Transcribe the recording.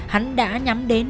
hắn đã nhắm đến